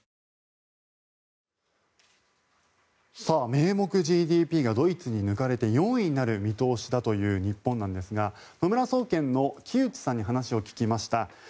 名目ＧＤＰがドイツに抜かれて４位になる見通しだという日本ですが野村総研の木内さんに話を聞きました。